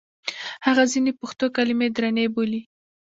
هغه ځینې پښتو کلمې درنې بولي.